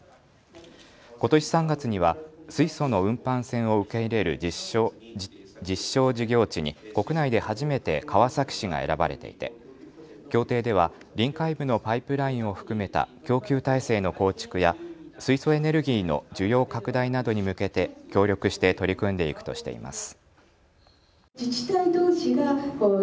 ことし３月には水素の運搬船を受け入れる実証事業地に国内で初めて川崎市が選ばれていて協定では臨海部のパイプラインを含めた供給体制の構築や水素エネルギーの需要拡大などに向けて協力して取り組んでいくとしています。